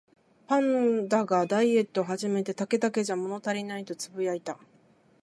パンダがダイエットを始めて、「竹だけじゃ物足りない」とつぶやいた